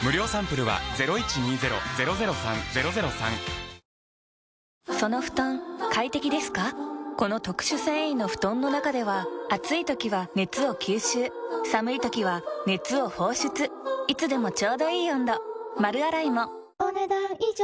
スイーツの秋に、この特殊繊維の布団の中では暑い時は熱を吸収寒い時は熱を放出いつでもちょうどいい温度丸洗いもお、ねだん以上。